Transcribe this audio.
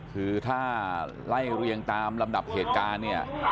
คือถ้าไล่เรียงตามลำดับเหตุการณ์เนี่ย